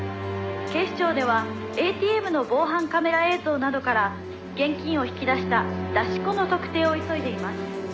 「警視庁ではＡＴＭの防犯カメラ映像などから現金を引き出した“出し子”の特定を急いでいます」